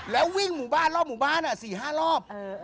แล้ววิ่งหมู่บ้านรอบหมู่บ้าน๔๕รอบ